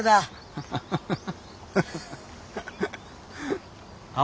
ハハハハハ。